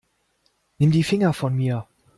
Nimm die Finger von mir.